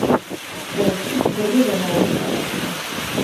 ველსი ძველი რომაული ქალაქია.